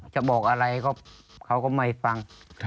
จะบอกอะไรเขาก็ไม่ฟัง